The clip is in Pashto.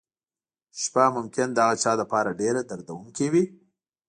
شپه ممکن د هغه چا لپاره ډېره دردونکې وي.